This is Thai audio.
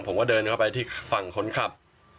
ผมก็เดินเข้าไปที่ฝั่งคนขับ